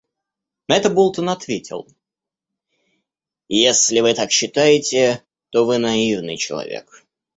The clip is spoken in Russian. На это Болтон ответил: «Если Вы так считаете, то Вы наивный человек.